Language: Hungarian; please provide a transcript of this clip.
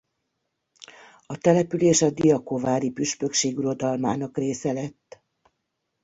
A település a diakovári püspökség uradalmának része lett.